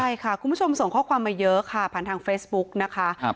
ใช่ค่ะคุณผู้ชมส่งข้อความมาเยอะค่ะผ่านทางเฟซบุ๊กนะคะ